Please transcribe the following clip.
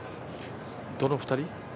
どの２人？